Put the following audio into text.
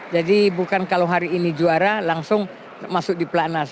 jadi bukan kalau hari ini juara langsung masuk di pelak nas